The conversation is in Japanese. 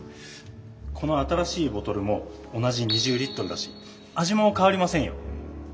この新しいボトルも同じ２０だし味もかわりませんよ。